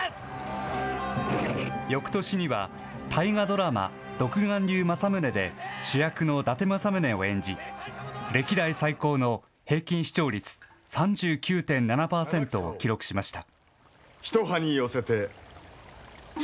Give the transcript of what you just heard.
よくとしには大河ドラマ、独眼竜政宗で主役の伊達政宗を演じ、歴代最高の平均視聴率、３９．７％を記録しました。